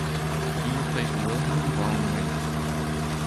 He replaced Wilhelm von Wrangell.